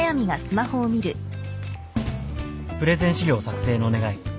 「プレゼン資料作成のお願い」